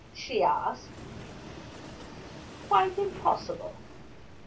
she asked. "Quite impossible.